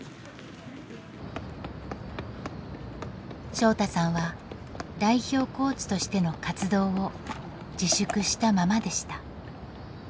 翔大さんは代表コーチとしての活動を自粛したままでした。